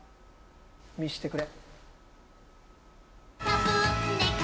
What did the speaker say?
見してくれ。